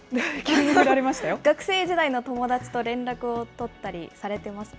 学生時代の友達と連絡を取ったりされてますか？